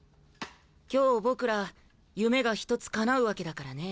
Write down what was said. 今日僕ら夢が一つかなうわけだからね。